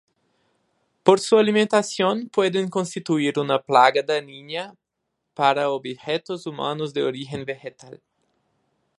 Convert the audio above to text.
Por su alimentación pueden constituir una plaga dañina para objetos humanos de origen vegetal.